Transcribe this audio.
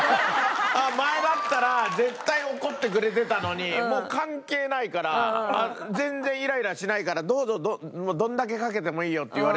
前だったら絶対怒ってくれてたのにもう関係ないから全然イライラしないから「どうぞもうどれだけかけてもいいよ」って言われた時の。